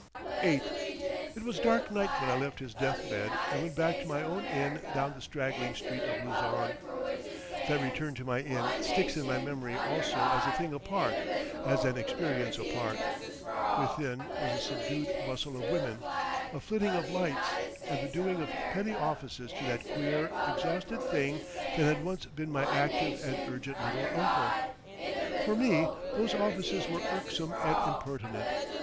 VIII It was dark night when I left his deathbed and went back to my own inn down the straggling street of Luzon. That return to my inn sticks in my memory also as a thing apart, as an experience apart. Within was a subdued bustle of women, a flitting of lights, and the doing of petty offices to that queer, exhausted thing that had once been my active and urgent little uncle. For me those offices were irksome and impertinent.